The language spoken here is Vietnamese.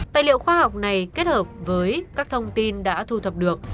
tài liệu khoa học này kết hợp với các thông tin đã thu thập được